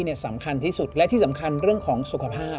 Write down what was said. สำคัญที่สุดและที่สำคัญเรื่องของสุขภาพ